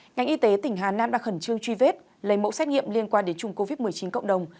ngành y tế tỉnh hà nam đã khẩn trương truy vết lấy mẫu xét nghiệm liên quan đến chung covid một mươi chín cộng đồng